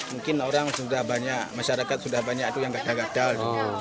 mungkin orang sudah banyak masyarakat sudah banyak yang gagal gagal